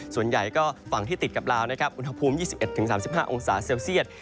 ส่วนใหญ่ก็ฝั่งที่ติดกับลาวนะครับอุณหภูมิ๒๑๓๕องศาเซลเซียต